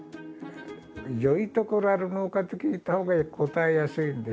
「良い所あるのか？」と聞いたほうが答えやすいんです。